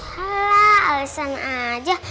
lah alasan aja